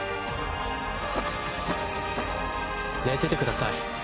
寝ててください。